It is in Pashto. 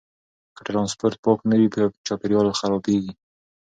که ټرانسپورټ پاک نه وي، چاپیریال خرابېږي.